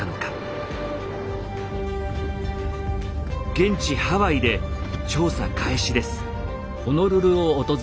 現地ハワイで調査開始です。